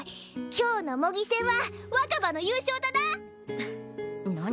今日の模擬戦は若葉の優勝だなふっ何？